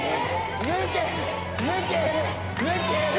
抜ける抜ける抜ける！